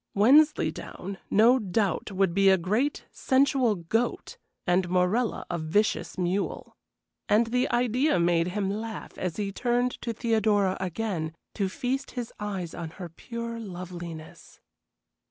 Wensleydown, no doubt, would be a great, sensual goat and Morella a vicious mule. And the idea made him laugh as he turned to Theodora again, to feast his eyes on her pure loveliness.